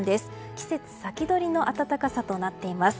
季節先取りの暖かさとなっています。